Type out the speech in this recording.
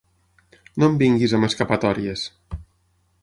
No em vinguis amb escapatòries.